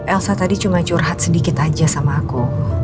elsa tadi cuma curhat sedikit aja sama aku